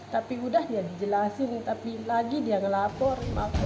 tapi udah dia dijelasin tapi lagi dia ngelapor